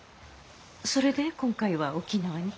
それで今回は沖縄に？